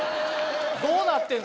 どうなってん？